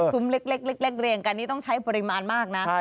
เล็กเรียงกันนี่ต้องใช้ปริมาณมากนะ